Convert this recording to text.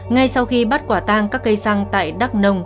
ngay sau khi bắt quả tang các cây xăng tại đắk nông